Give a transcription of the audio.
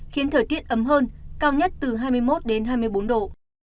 khiến thời tiết ấm hơn cao nhất từ hai mươi một đến hai mươi bốn độ